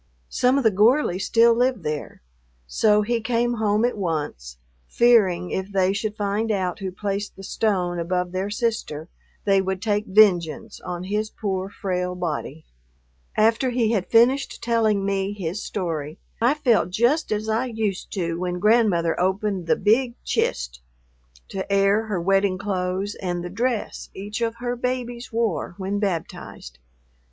Some of the Gorleys still live there, so he came home at once, fearing if they should find out who placed the stone above their sister they would take vengeance on his poor, frail body. After he had finished telling me his story, I felt just as I used to when Grandmother opened the "big chist" to air her wedding clothes and the dress each of her babies wore when baptized.